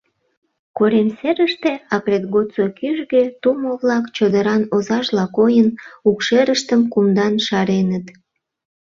Корем серыште акрет годсо кӱжгӧ тумо-влак, чодыран озажла койын, укшерыштым кумдан шареныт.